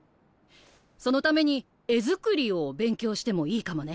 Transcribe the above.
そのために絵作りを勉強してもいいかもね。